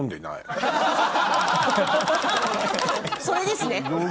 それですね。